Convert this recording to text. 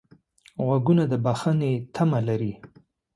غوږونه د بښنې تمه لري